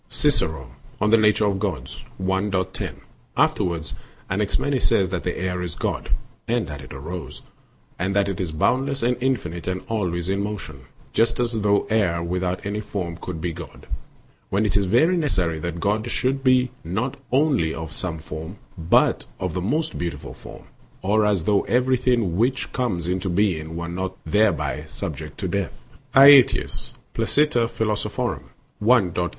Cic. de Nat. Deor. i. 10; Dox. 581. Afterwards Anaximenes said that air is god,' [and that it arose] and that it is boundless and infinite and always in motion; just as though air without any form could be god, when it is very necessary that god should be not only of some form, but of the most beautiful form ; ox as though everything which comes into being were not thereby subject to death. Aet.i. 3; Dox. 278.